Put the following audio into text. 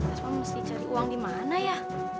asma mesti cari uang di mana ya